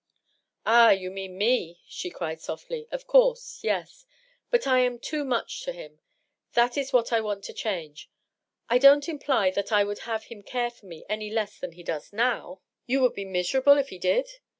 " Ah, you mean me !" she cried softly. " Of course — yes. But I am too much to him. That is what I want to change. I don't imply that I would have him care for me any less than he does now .."" You would be miserable if he did